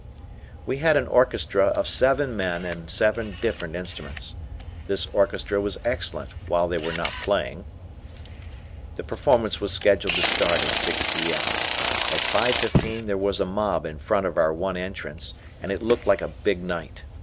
We had an orchestra of seven men and seven different instruments. This orchestra was excellent, while they were not playing. The performance was scheduled to start at 6 P.M. At 5.15 there was a mob in front of our one entrance and it looked like a big night.